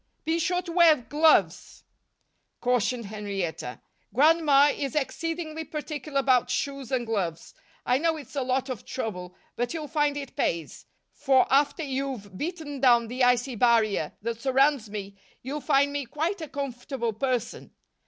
"Be sure to wear gloves," cautioned Henrietta. "Grandmother is exceedingly particular about shoes and gloves. I know it's a lot of trouble, but you'll find it pays; for after you've beaten down the icy barrier that surrounds me, you'll find me quite a comfortable person.